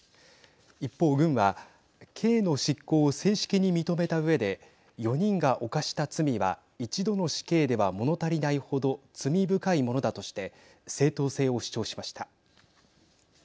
一方、軍は刑の執行を正式に認めたうえで４人が犯した罪は一度の死刑ではもの足りないほど罪深いものだとして正当性を主張しました。